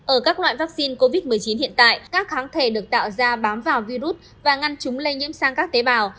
ở các loại vaccine covid một mươi chín hiện tại các kháng thể được tạo ra bám vào virus và ngăn chúng lây nhiễm sang các tế bào